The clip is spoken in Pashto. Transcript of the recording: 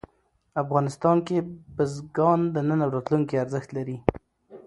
افغانستان کې بزګان د نن او راتلونکي ارزښت لري.